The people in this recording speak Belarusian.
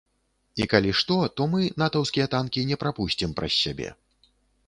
І калі што, то мы натаўскія танкі не прапусцім праз сябе.